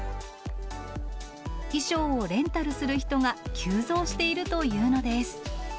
衣装をレンタルする人が急増しているというのです。